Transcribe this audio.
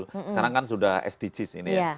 sekarang kan sudah sdgs ini ya